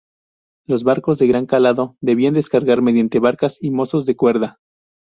Los barcos de gran calado debían descargar mediante barcas y mozos de cuerda.